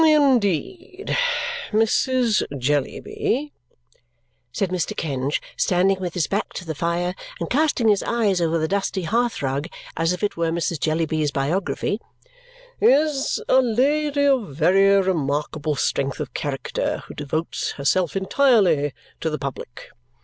"In deed! Mrs. Jellyby," said Mr. Kenge, standing with his back to the fire and casting his eyes over the dusty hearth rug as if it were Mrs. Jellyby's biography, "is a lady of very remarkable strength of character who devotes herself entirely to the public.